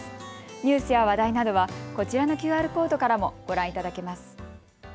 ニュースや話題などはこちらのＱＲコードからもご覧いただけます。